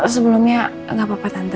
sebelumnya nggak apa apa tante